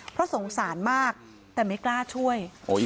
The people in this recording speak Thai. เพราะสงสารมากแต่ไม่กล้าช่วย